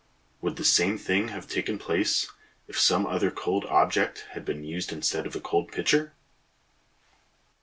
Would the same thing have taken place if some other cold object had been used instead of a cold pitcher?